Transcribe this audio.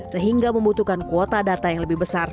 sehingga membutuhkan kuota data yang lebih besar